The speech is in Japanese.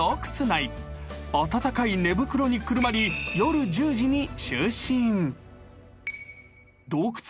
［温かい寝袋にくるまり夜１０時に就寝］